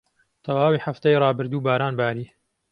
تەواوی هەفتەی ڕابردوو باران باری.